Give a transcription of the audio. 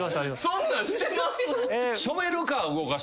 そんなんしてます？